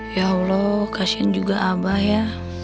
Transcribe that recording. ya allah kasihan juga abah ya